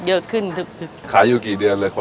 มีวันหยุดเอ่ออาทิตย์ที่สองของเดือนค่ะ